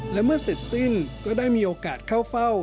และเมื่อเสร็จสิ้นก็ได้มีโอกาสเข้าเฝ้า